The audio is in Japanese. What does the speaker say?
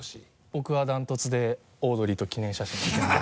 僕はダントツで「オードリーと記念写真」ですね。